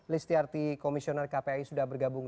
list trt komisioner kpi sudah bergabung